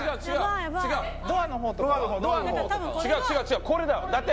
違う違う違うこれだ。